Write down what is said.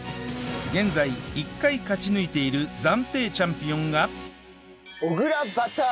現在１回勝ち抜いている暫定チャンピオンが